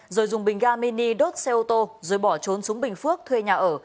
rồi dùng bình ga mini đốt xe ô tô rồi bỏ trốn xuống bình phước thuê nhà ở